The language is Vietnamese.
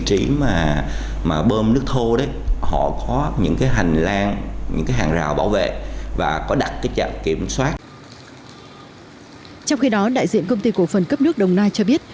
trong khi đó đại diện công ty cổ phần cấp nước đồng nai cho biết